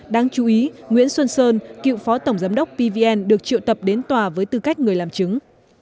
đáng chú ý nguyễn xuân sơn cựu phó tổng giám đốc pvn được triệu tập đến tòa với tư cách người làm chứng